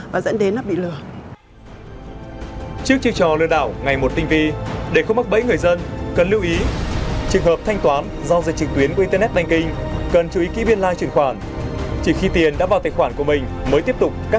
và dẫn đến nó bị lừa